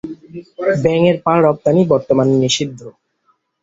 ব্যাঙের পা রপ্তানি বর্তমানে নিষিদ্ধ।